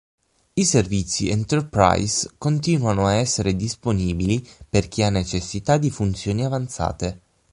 I servizi Enterprise continuano a essere disponibili per chi ha necessità di funzioni avanzate.